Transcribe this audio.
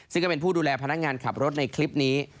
ซึ่งก็เป็นผู้ดูแลพนักงานขับรถในคลิปนี้